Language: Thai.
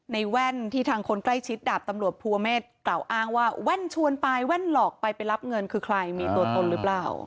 แว่นที่ทางคนใกล้ชิดดาบตำรวจภูเมฆกล่าวอ้างว่าแว่นชวนไปแว่นหลอกไปไปรับเงินคือใครมีตัวตนหรือเปล่า